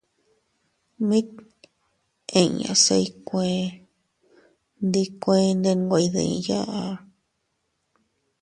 Mit inña se iykuee ndi kuende nwe iydiya.